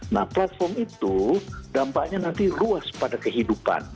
nah platform itu dampaknya nanti ruas pada kehidupan